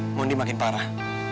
mondi makin parah